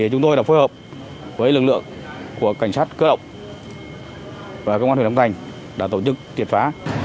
chúng tôi đã phối hợp với lực lượng của cảnh sát cơ động và công an huyện long thành đã tổ chức tiệt phá